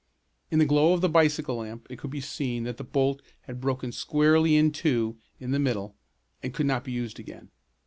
In the glow of the bicycle lamp it could be seen that the bolt had broken squarely in two in the middle, and could not be used again.